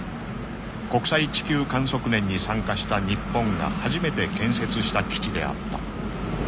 ［国際地球観測年に参加した日本が初めて建設した基地であった］